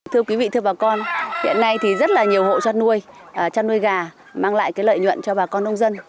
thưa quý vị thưa bà con hiện nay thì rất là nhiều hộ chăn nuôi chăn nuôi gà mang lại cái lợi nhuận cho bà con nông dân